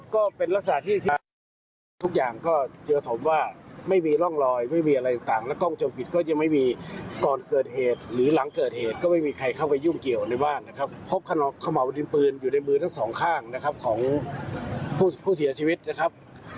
ของข้างนะครับของผู้เสียชีวิตนะครับ